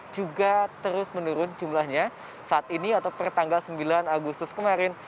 juga terus menurun jumlahnya saat ini atau pertanggal sembilan agustus kemarin